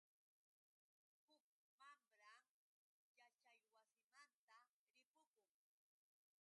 Huk mamram yaćhaywasimanta ripukun.